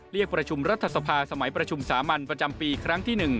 เรียกประชุมรัฐสภาสมัยประชุมสามัญประจำปีครั้งที่๑